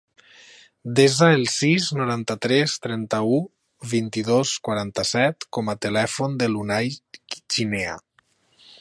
Desa el sis, noranta-tres, trenta-u, vint-i-dos, quaranta-set com a telèfon de l'Unai Chinea.